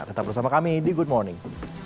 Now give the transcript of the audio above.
tetap bersama kami di good morning